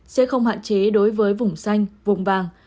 sẽ không hạn chế đối với vùng xanh vùng vàng